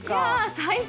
最高！